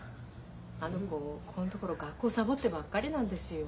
あの子ここのところ学校サボってばっかりなんですよ。